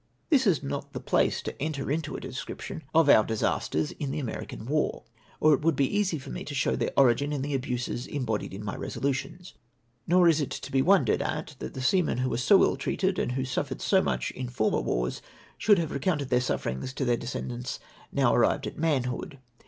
Tliis is not the place to enter into a description of BY A'AVAL WRITERS. 311 our disasters in tlie American war, or it would be easy for me to show tlieir orio; in in the abuses embodied in my resolutions. Nor is it to be Avondered at that seamen who were so ill treated, and who suffered so much in former wars, should have recounted their sufferings to their descendants, now arrived at man hood.